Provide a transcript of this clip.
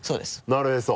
なるへそ。